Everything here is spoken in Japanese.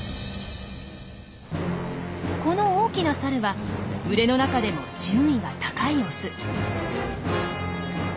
この大きなサルは群れの中でも順位が高いオス。